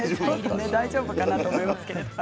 大丈夫かなと思いますけれど。